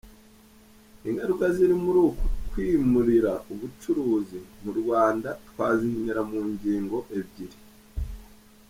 Ingaruka ziri muri uku kwimurira ubucuruzi mu Rwanda twazihinira mu ngingo ebyiri.